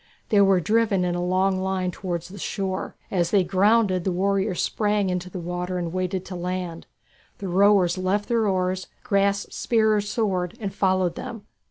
They were driven in a long line towards the shore. As they grounded, the warriors sprang into the water and waded to land. The rowers left their oars, grasped spear or sword, and followed them.